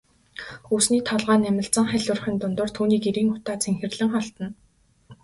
Өвсний толгой намилзан халиурахын дундуур түүний гэрийн утаа цэнхэрлэн холдоно.